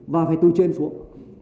và phải từ trên xuống